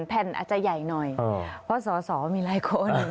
แผ่นอาจจะใหญ่หน่อยเพราะสอสอมีหลายคน